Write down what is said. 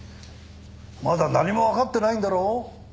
まだ何もわかってないんだろう？